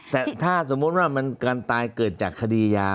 แต่ถ้าสมมุติว่ามันการตายเกิดจากคดียา